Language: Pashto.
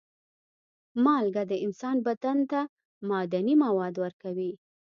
مالګه د انسان بدن ته معدني مواد ورکوي.